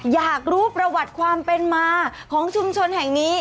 อยากรู้ประวัติความเป็นมาของชุมชนแห่งนี้